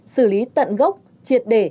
xử lý tận gốc triệt đề